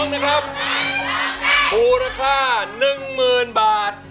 ของผมนะครับหูราคาหนึ่งหมื่นบาท